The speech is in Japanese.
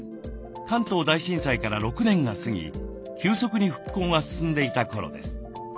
関東大震災から６年が過ぎ急速に復興が進んでいた頃です。